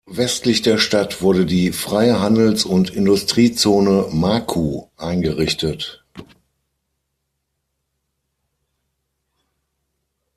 Westlich der Stadt wurde die Freie Handels- und Industriezone Maku eingerichtet.